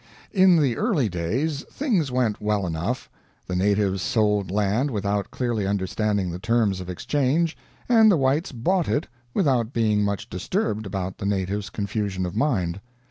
In the early days things went well enough. The natives sold land without clearly understanding the terms of exchange, and the whites bought it without being much disturbed about the native's confusion of mind.